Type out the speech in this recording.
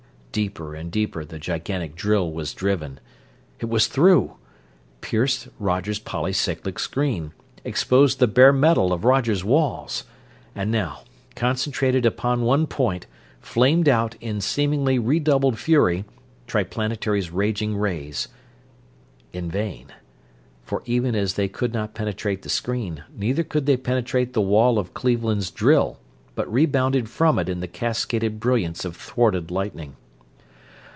Deeper and deeper the gigantic drill was driven. It was through! Pierced Roger's polycyclic screen; exposed the bare metal of Roger's walls! And now, concentrated upon one point, flamed out in seemingly redoubled fury Triplanetary's raging rays in vain. For even as they could not penetrate the screen, neither could they penetrate the wall of Cleveland's drill, but rebounded from it in the cascaded brilliance of thwarted lightning.